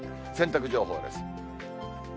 洗濯情報です。